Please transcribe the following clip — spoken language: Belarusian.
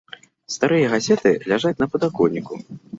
Старыя газеты ляжаць на падаконніку.